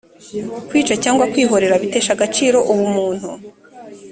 kwica cyangwa kwihorera bitesha agaciro ubumuntu